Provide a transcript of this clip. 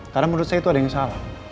karena menurut saya itu ada yang salah